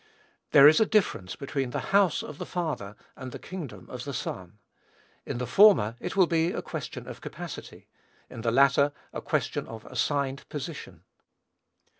There is a difference between the house of the Father and the kingdom of the Son: in the former, it will be a question of capacity; in the latter, a question of assigned position.